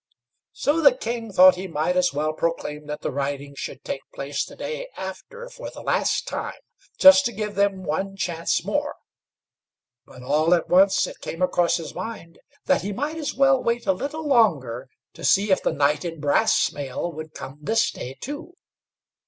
So the king thought he might as well proclaim that the riding should take place the day after for the last time, just to give them one chance more; but all at once it came across his mind that he might as well wait a little longer, to see if the knight in brass mail would come this day too.